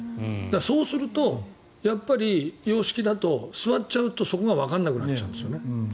そうすると、洋式だと座っちゃうとそこがわからなくなっちゃうんですよね。